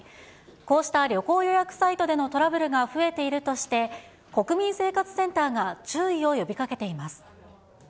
こうした旅行予約サイトでのトラブルが増えているとして、国民生活センターが注意を呼びかけています。